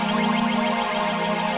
jangan lupa like share dan subscribe ya